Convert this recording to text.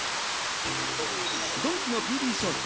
ドンキのＰＢ商品